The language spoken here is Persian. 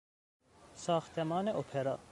ساختمان اپرا